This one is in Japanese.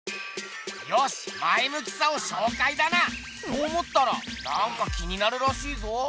よし前むきさを紹介だな！と思ったらなんか気になるらしいぞ？